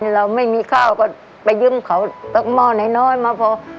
เราไม่มีข้าวก็ไปยึ่งเขาต้องมอดน้อยมาพอ